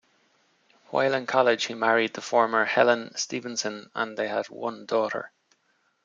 While in college he married the former Helen Stephenson, and they had one daughter.